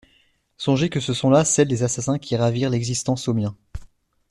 Songez que ce sont là celles des assassins qui ravirent l'existence aux miens.